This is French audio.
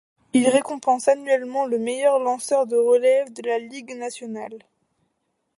Il récompense annuellement le meilleur lanceur de relève de la Ligue nationale.